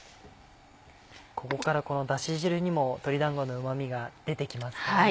ここからこのだし汁にも鶏だんごのうまみが出てきますからね。